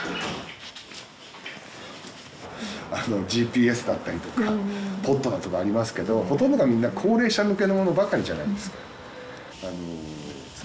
あのＧＰＳだったりとかポットだとかありますけどほとんどがみんな高齢者向けのものばかりじゃないですか。